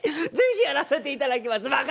是非やらせていただきます。